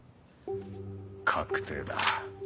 確定だ。